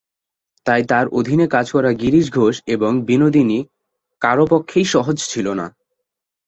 তাই তার অধীনে কাজ করা গিরিশ ঘোষ এবং বিনোদিনী কারও পক্ষেই সহজ ছিল না।